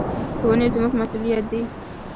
ونې زموږ مسؤلیت دي.